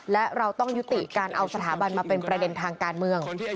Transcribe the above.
และเราต้องยุติการเอาสถาบันมาเป็นประเด็นทางการเมือง